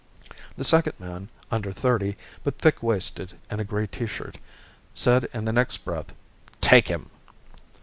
The second man, under thirty but thick waisted in a gray tee shirt, said in the next breath, "Take him!"